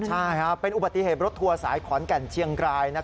ใช่เป็นอุบัติเหตุรถทัวร์สายขอนแก่นเชียงกราย